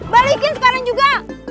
balikin sekarang juga